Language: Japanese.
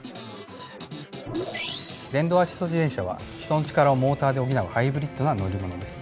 電動アシスト自転車は人の力をモーターで補うハイブリッドな乗り物です。